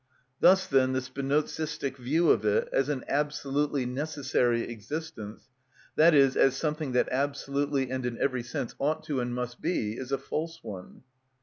Thus, then, the Spinozistic view of it as an absolutely necessary existence, that is, as something that absolutely and in every sense ought to and must be, is a false one.